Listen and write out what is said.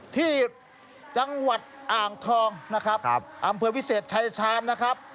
ที่จังหวัดอ่างทองนะครับอำเภอวิเศษชายชาญนะครับ